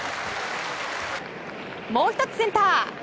もう１つ、センター。